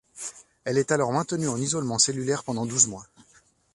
Elle est alors maintenue en isolement cellulaire pendant douze mois.